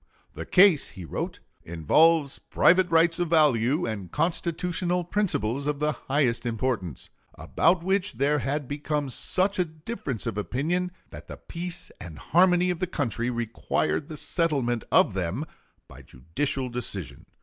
"The case," he wrote, "involves private rights of value, and constitutional principles of the highest importance, about which there had become such a difference of opinion that the peace and harmony of the country required the settlement of them by judicial decision."